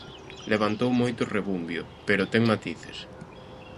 Levantou moito rebumbio, pero ten matices.